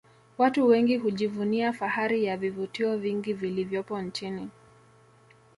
Watu wengi hujivunia fahari ya vivutio vingi vilivyopo nchini